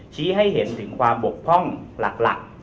ให้เห็นถึงความบกพร่องหลัก